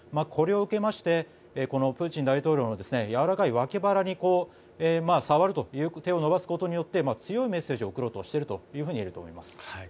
これを受けましてプーチン大統領のやわらかい脇腹に触るという手を伸ばすことによって強いメッセージを送ろうとしているといえると思います。